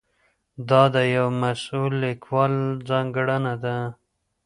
دا د یوه مسؤل لیکوال ځانګړنه ده.